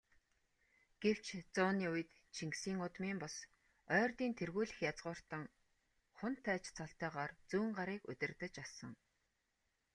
Гэвч, зууны үед Чингисийн удмын бус, Ойрдын тэргүүлэх язгууртан хунтайж цолтойгоор Зүүнгарыг удирдаж асан.